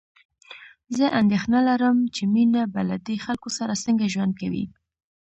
زه اندېښنه لرم چې مينه به له دې خلکو سره څنګه ژوند کوي